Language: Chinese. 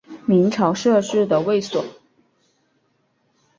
明朝设置的卫所。